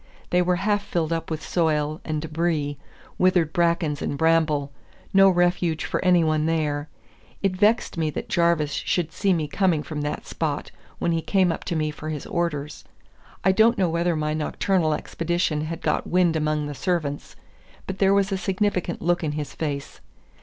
They were half filled up with soil and debris, withered brackens and bramble, no refuge for any one there. It vexed me that Jarvis should see me coming from that spot when he came up to me for his orders. I don't know whether my nocturnal expeditions had got wind among the servants, but there was a significant look in his face.